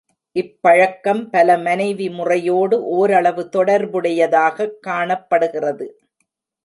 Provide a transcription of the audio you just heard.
இப்பழக்கம் பல மனைவி முறையோடு ஓரளவு தொடர்புடையதாகக் காணப்படுகிறது.